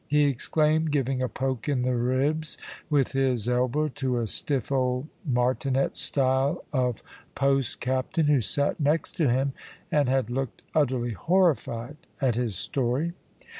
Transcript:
he exclaimed, giving a poke in the ribs with his elbow to a stiff, old, martinet style of post captain, who sat next to him, and had looked utterly horrified at his story.